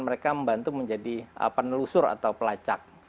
mereka membantu menjadi penelusur atau pelacak